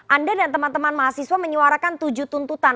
anda dan teman teman mahasiswa menyuarakan tujuh tuntutan